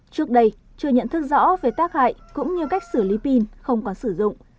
trước đây chưa nhận thức rõ về tác hại cũng như cách xử lý pin không có sử dụng